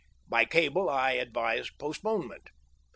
By cable I advised postponement.